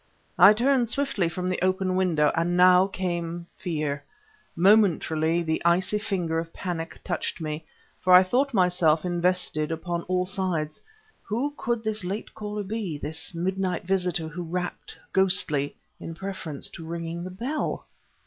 I turned swiftly from the open window; and now, came fear. Momentarily, the icy finger of panic touched me, for I thought myself invested upon all sides. Who could this late caller be, this midnight visitor who rapped, ghostly, in preference to ringing the bell?